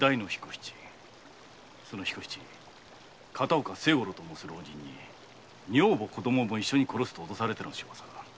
その彦七片岡清五郎と申す浪人に「女房子供も一緒に殺す」と脅されての仕業。